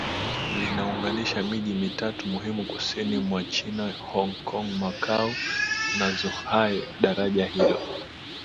Linaunganisha miji mitatu muhimu kusini mwa China Hong Kong Macau na Zhuhai Daraja hilo